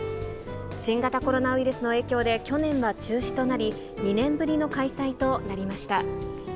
新型コロナウイルスの影響で、去年は中止となり、２年ぶりの開催となりました。